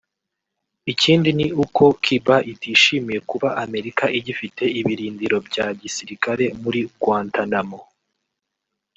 Ikindi ni uko Cuba itishimiye kuba Amerika igifite ibirindiro bya gisirikare muri Guantanamo